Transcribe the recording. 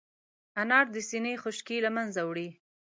انار د سينې خشکي له منځه وړي.